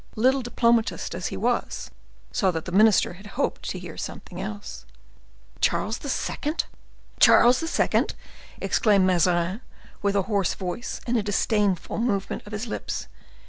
little diplomatist as he was, saw that the minister had hoped to hear something else. "Charles II.?" exclaimed Mazarin, with a hoarse voice and a disdainful movement of his lips.